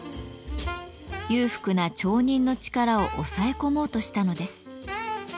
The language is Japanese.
裕福な町人の力を抑え込もうとしたのです。